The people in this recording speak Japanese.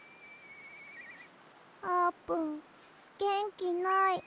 あーぷんげんきない。